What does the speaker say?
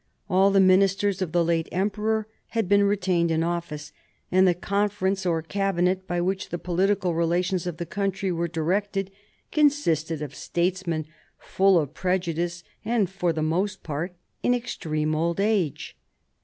All the ministers of the late emperor had been retained in office ; and the Conference, or Cabinet by which the political relations of the country were directed, consisted of statesmen full of prejudice and for the most part in extreme old age.